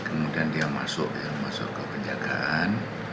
kemudian dia masuk ke penjagaan